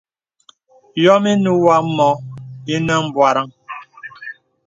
Yɔm inə̀ wǒ ǎ mǒ ìnə m̀bwarə̀ŋ.